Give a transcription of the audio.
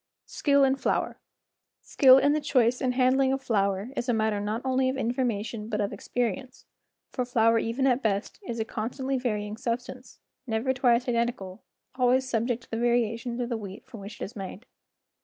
Skill in Flour S KILL in the choice and handling of flour is a matter not only of information but of experience, for flour even at best is a con¬ stantly varying substance, never twice identical, always subject to the variations of the wheat from which it is made.